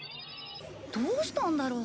どうしたんだろう？